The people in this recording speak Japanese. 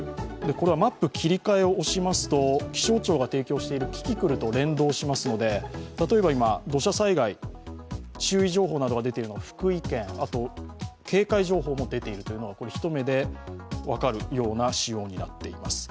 これはマップ切り替えを押しますと、気象庁が提供しているキキクルと連動しますので、例えば今、土砂災害注意情報などが出ているのが福井県、警戒情報も出ているというのが一目で分かるような仕様になっています。